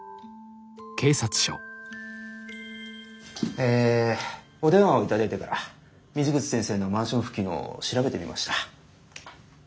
えお電話を頂いてから水口先生のマンション付近を調べてみました。